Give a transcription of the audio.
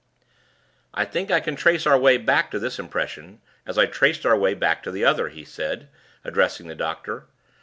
"I think I can trace our way back to this impression, as I traced our way back to the other," he said, addressing the doctor.